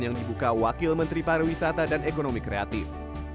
yang dibuka wakil menteri pariwisata dan ekonomi kreatif